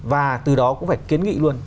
và từ đó cũng phải kiến nghị luôn